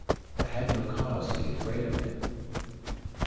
But I had no cause to be afraid of him.